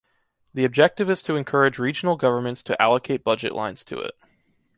The objective is to encourage regional governments to allocate budgets lines to it.